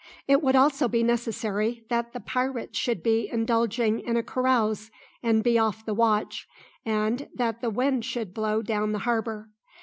It would also be necessary that the pirates should be indulging in a carouse and be off the watch, and that the wind should blow down the harbour.